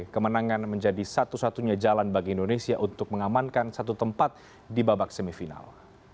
kemenangan menjadi satu satunya jalan bagi indonesia untuk mengamankan satu tempat di babak semifinal